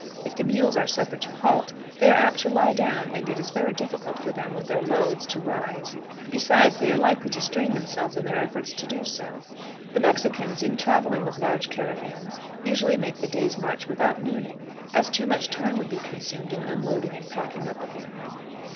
If the mules are suffered to halt, they are apt to lie down, and it is very difficult for them, with their loads, to rise; besides, they are likely to strain themselves in their efforts to do so. The Mexicans, in traveling with large caravans, usually make the day's march without nooning, as too much time would be consumed in unloading and packing up again.